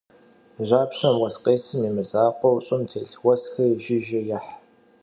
Japşem vues khêsım yi mızakhueu, ş'ım têlh vuesxeri jjıje yêh.